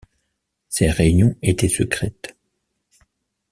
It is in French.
Ces réunions étaient secrètes.